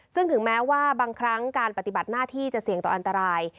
ซึ่งถึงแม้ว่าบางครั้งการปฏิบัติหน้าที่จะเสี่ยงต่ออันตราย